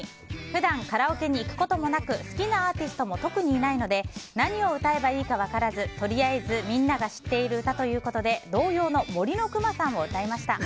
普段、カラオケに行くこともなく好きなアーティストも特にないので何を歌えばいいか分からずとりあえず、みんなが知っている歌ということで童謡の「森のくまさん」を歌いました。